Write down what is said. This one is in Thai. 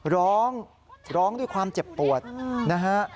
ร้องร้องด้วยความเจ็บปวดนะฮะ